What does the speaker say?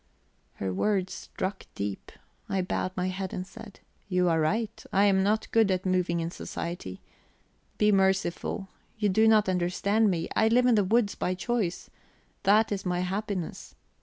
Her words struck deep; I bowed my head and said: "You are right; I am not good at moving in society. Be merciful. You do not understand me; I live in the woods by choice that is my happiness.